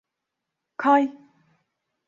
Kay!